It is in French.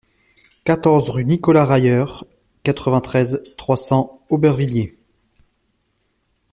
quatorze rue Nicolas Rayer, quatre-vingt-treize, trois cents, Aubervilliers